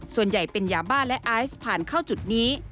ส่วนใหญ่เป็นยาบ้าและไอซ์ผ่านเข้าจุดนี้